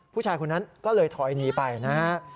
ผู้ชายคนนั้นก็เลยถอยหนีไปนะฮะ